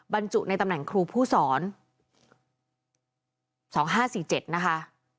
บรรจุในตำแหน่งครูผู้สอน๒๕๔๗นะคะ